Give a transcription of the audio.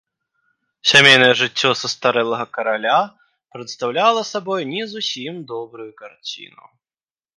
Сямейнае жыццё састарэлага караля прадстаўляла сабой не зусім добрую карціну.